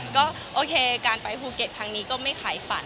ก็โอเคไปภูเก็ตทางนี้ก็ไม่ขายฝัน